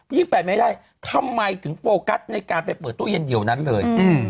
ไปไม่ได้ทำไมถึงโฟกัสในการไปเปิดตู้เย็นเดี๋ยวนั้นเลย